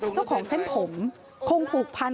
เจ้าของเส้นผมคงผูกพัน